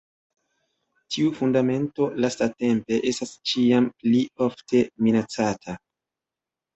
Tiu fundamento lastatempe estas ĉiam pli ofte minacata.